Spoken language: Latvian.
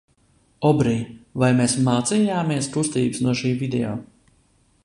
Obrij, vai mēs mācījāmies kustības no šī video?